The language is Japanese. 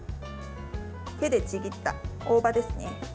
手でちぎった大葉ですね。